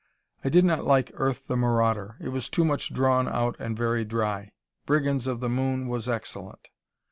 I did not like "Earth, the Marauder." It was too much drawn out and very dry. "Brigands of the Moon" was excellent.